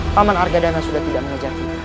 paman argadana sudah tidak mengejar kita